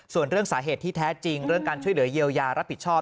ส่วนเรื่องสาเหตุที่แท้จริงเรื่องการช่วยเหลือเยียวยารับผิดชอบ